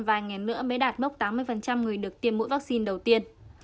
đầy đủ tiêm nữa mới đạt mốc tám mươi người được tiêm mũi vaccine đầu tiên